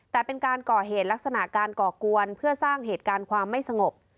แต่เป็นการก่อเหตุลักษณะการก่อกวนเพื่อสร้างเหตุการณ์ความไม่สงบ